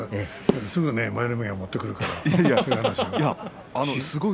すぐに舞の海が持ってくるから。